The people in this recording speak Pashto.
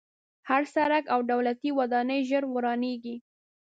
هر سړک او دولتي ودانۍ ژر ورانېږي.